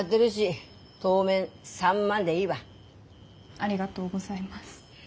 ありがとうございます。